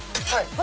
はい。